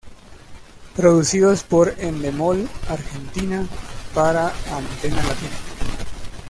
Producidos por Endemol Argentina para Antena Latina.